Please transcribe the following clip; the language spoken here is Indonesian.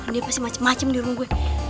dia pasti macem macem di rumah gue